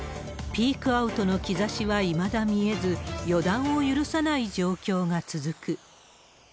ピークアウトの兆しはいまだ見えず、予断を許さない状況が続く。